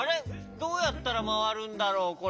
どうやったらまわるんだろうこれ？